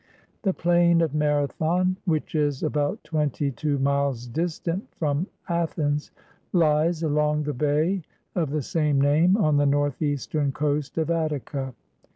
The plain of Marathon, which is about twenty two miles distant from Athens, lies along the bay of the same name on the northeastern coast of Attica.